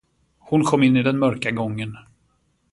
Hon kom in i den mörka gången.